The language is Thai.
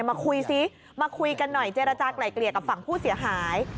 มาคุยซิมาคุยกันหน่อยเจรจากลายเกลี่ยกับฝั่งผู้เสียหาย